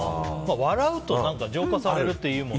笑うと浄化されるっていうもんね。